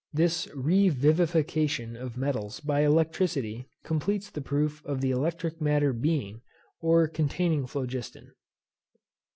This revivification of metals by electricity completes the proof of the electric matter being, or containing phlogiston.